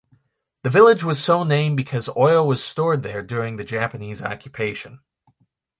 The village was so named because oil was stored there during the Japanese Occupation.